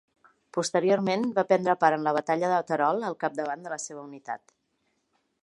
Posteriorment va prendre part en la batalla de Terol al capdavant de la seva unitat.